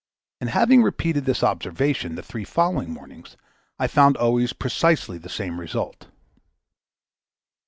And, having repeated this observation the three following mornings, I found always precisely the same result.